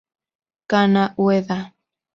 Kana Ueda